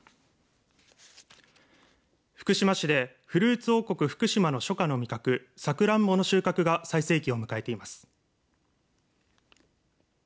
福島市でフルーツ王国福島の初夏の味覚サクランボの収穫が最盛期を迎えています。